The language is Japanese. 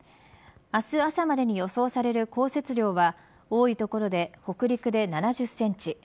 明日朝までに予想される降雪量は多い所で北陸で７０センチ